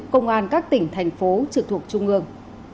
công an các tỉnh thành phố trực thuộc trung ương